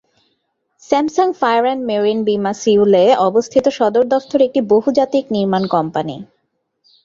Samsung Fire and Marine বীমা সিউলে অবস্থিত সদর দফতর একটি বহুজাতিক নির্মাণ কোম্পানী।